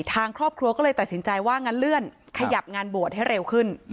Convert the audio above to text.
ทางครอบครัวก็เลยตัดสินใจว่างั้นเลื่อนขยับงานบวชให้เร็วขึ้น